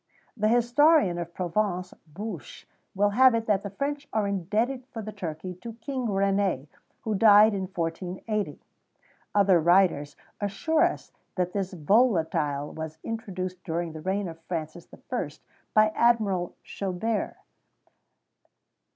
[XVII 113] The historian of Provence, Bouche, will have it that the French are indebted for the turkey to King René, who died in 1480. Other writers assure us that this volatile was introduced during the reign of Francis I. by Admiral Chabert.